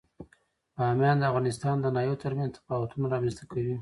بامیان د افغانستان د ناحیو ترمنځ تفاوتونه رامنځ ته کوي.